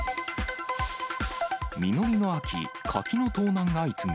実りの秋、柿の盗難相次ぐ。